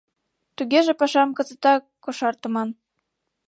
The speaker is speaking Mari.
— Тугеже пашам кызытак кошартыман.